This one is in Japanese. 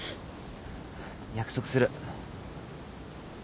約束する。